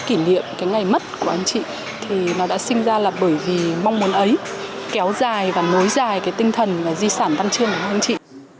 kỷ niệm cái ngày mất của anh chị thì nó đã sinh ra là bởi vì mong muốn ấy kéo dài và nối dài cái tinh thần và di sản văn chương của anh chị